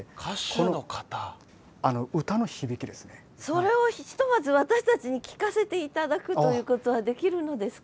それをひとまず私たちに聴かせて頂くということはできるのですか？